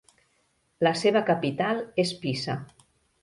La seva capital és Pisa.